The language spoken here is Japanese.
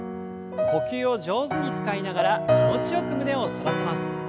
呼吸を上手に使いながら気持ちよく胸を反らせます。